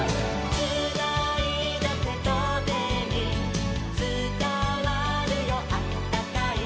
「つないだてとてにつたわるよあったかい」